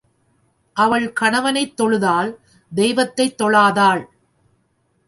அவள் கணவனைத் தொழுதாள் தெய்வத்தைத் தொழாதாள்.